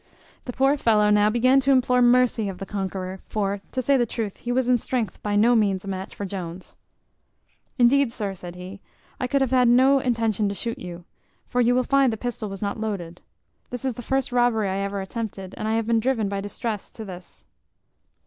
The poor fellow now began to implore mercy of the conqueror: for, to say the truth, he was in strength by no means a match for Jones. "Indeed, sir," says he, "I could have had no intention to shoot you; for you will find the pistol was not loaded. This is the first robbery I ever attempted, and I have been driven by distress to this."